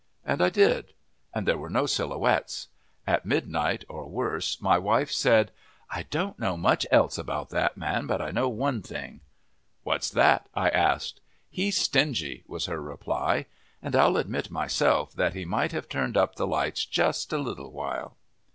And I did; and there were no Silhouettes. At midnight or worse my wife said: "I don't know much else about that man, but I know one thing." "What's that?" I asked. "He's stingy," was her reply; and I'll admit, myself, that he might have turned up the lights just a little while.